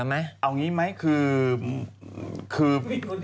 เอาแบบนี้ไหมคือ